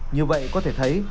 như vậy có thể thấy